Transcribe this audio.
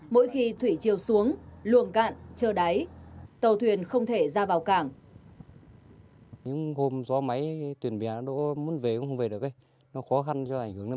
mỗi khi thủy chiều xuống luồng cạn trơ đáy tàu thuyền không thể ra vào cảng